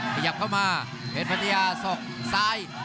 ขยับเข้ามาเพชรพัทยาศอกซ้าย